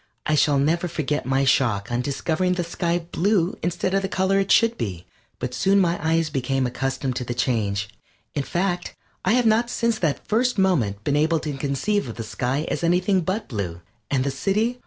I shall never forget my shock on discovering the sky blue instead of the color it should be, but soon my eyes became accustomed to the change. In fact, I have not since that first moment been able to conceive of the sky as anything but blue. And the city?